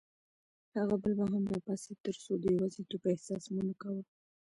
هغه بل به هم راپاڅېد، ترڅو د یوازیتوب احساس مو نه کاوه.